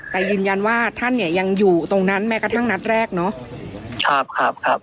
แต่ยืนยันว่าท่านเนี่ยยังอยู่ตรงนั้นแม้กระทั่งนัดแรกเนอะครับครับ